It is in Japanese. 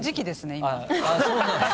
そうなんですか。